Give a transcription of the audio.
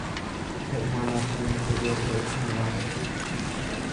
Ka theih hngan ahcun cu bia cu a chim lo.